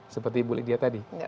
seperti bu lydia tadi